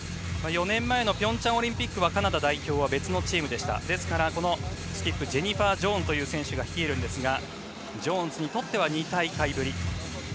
４年前のピョンチャンオリンピックはカナダ代表は別のチームでしたですから、スキップのジェニファー・ジョーンズという選手が率いるんですがジョーンズにとっては２大会ぶり。